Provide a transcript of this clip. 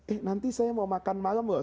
eh nanti saya mau makan malam loh